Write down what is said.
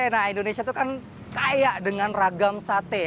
nah indonesia itu kan kaya dengan ragam sate